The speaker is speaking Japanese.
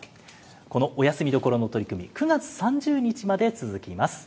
このお休み処の取り組み、９月３０日まで続きます。